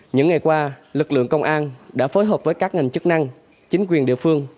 những ngày qua lực lượng công an đã phối hợp với các ngành chức năng chính quyền địa phương